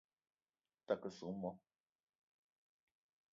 Me ta ke soo moo